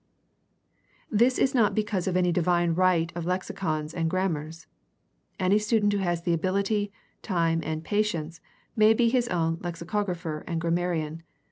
This is not because of any divine right of lexicons and grammars. Any student who has the abihty, time, and patience may be his own lexicographer and grammarian.